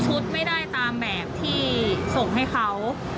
ไม่ได้ตามแบบที่ส่งให้เขา